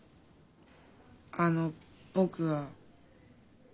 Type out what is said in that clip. あの僕は。